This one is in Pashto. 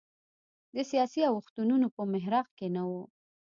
د سیاسي اوښتونونو په محراق کې نه و.